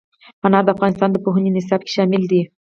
انار د افغانستان د پوهنې نصاب کې شامل دي.